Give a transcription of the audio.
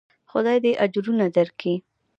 خداى دې اجرونه درکي.